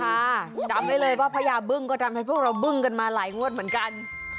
จำไว้เลยว่าพญาบึ้งก็ทำให้พวกเราบึ้งกันมาหลายงวดเหมือนกัน